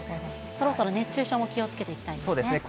そろそろ熱中症も気をつけてそうですね。